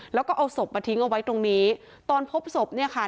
แล้วก็เอาศพมาทิ้งเอาไว้ตรงนี้ตอนพบศพเนี่ยค่ะ